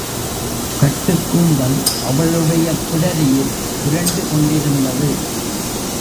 கட்டுக்கூந்தல் அவளுடைய பிடரியில் புரண்டு கொண்டிருந்தது.